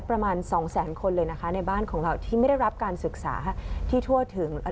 ประมาณสองแสนคนเลยนะคะในบ้านของเราที่ไม่ได้รับการศึกษาที่ทั่วถึง